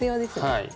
はい。